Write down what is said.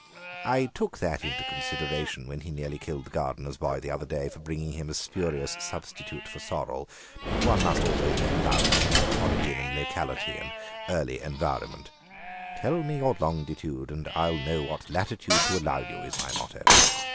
I took that into consideration when he nearly killed the gardener's boy the other day for bringing him a spurious substitute for sorrel. One must always make allowances for origin and locality and early environment; 'Tell me your longitude and I'll know what latitude to allow you,' is my motto."